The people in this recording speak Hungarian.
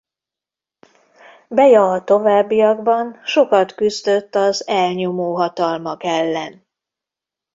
Beja a továbbiakban sokat küzdött az elnyomó hatalmak ellen.